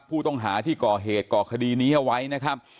ผู้ต้องหาที่ก่อเหตุก่อคดีนี้เอาไว้นะครับ